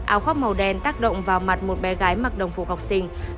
áo khoác màu đen tác động vào mặt một bé gái mặc đồng phục học sinh